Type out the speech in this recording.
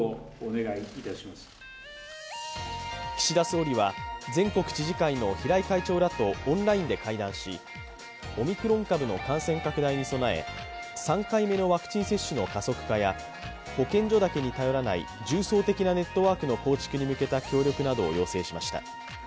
岸田総理は、全国知事会の平井会長らとオンラインで会談し、オミクロン株の感染拡大に備え３回目のワクチン接種の加速化や保健所だけに頼らない重層的なネットワークの構築に向けた協力などを要請しました。